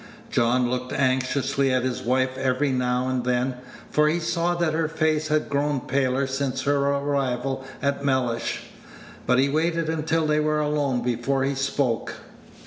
John looked anxiously at his wife every now and then, for he saw that her face had grown paler since her arrival at Mellish; but he waited until they were alone before he spoke.